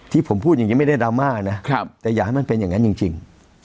ที่ผมพูดอย่างนี้ไม่ได้ดราม่านะแต่อย่าให้มันเป็นอย่างนั้นจริง